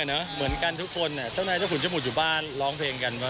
เรื่องสตีเตียวล้อเจ๊งไฟบรูปก็จะมีน้ำเสียงที่ดีน้องด้วย